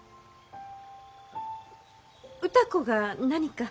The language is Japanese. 歌子が何か？